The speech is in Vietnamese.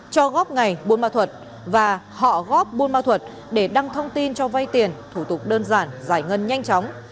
cho góp ngày buôn mợ thuật và họ góp buôn mợ thuật để đăng thông tin cho vay tiền thủ tục đơn giản giải ngân nhanh chóng